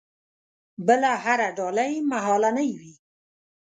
بله هره ډالۍ مهالنۍ وي.